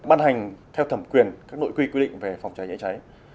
ban hành theo thẩm quyền các nội quy quy định về phòng cháy chữa cháy